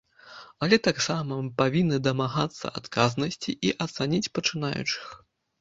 Але таксама мы павінны дамагацца адказнасці і ацаніць пачынаючых.